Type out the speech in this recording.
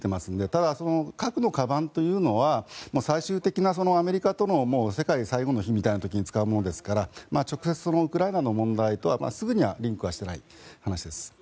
ただ、核のかばんというのは最終的なアメリカとの世界最後の日みたいな時に使うものですから直接、ウクライナの問題とはすぐにはリンクしていない話です。